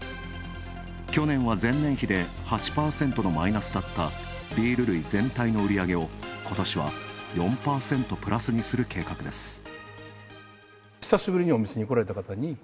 去年は前年比で８％のマイナスだったビール類全体の売り上げをことしは４％プラスにする計画です。